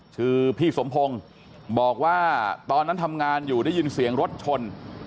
ชื่อพี่สมพงศ์บอกว่าตอนนั้นทำงานอยู่ได้ยินเสียงรถชน